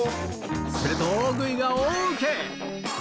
すると、大食いが大受け。